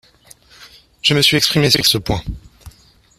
Je me suis exprimée sur ce point.